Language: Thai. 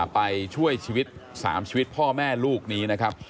ไปช่วยชีวิต๓ชีวิตพ่อแม่ลูกนี้นะครับ